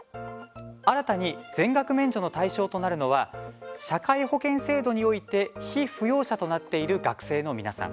新たに全額免除の対象となるのは社会保険制度において被扶養者となっている学生の皆さん